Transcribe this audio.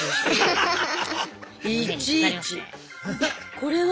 これは？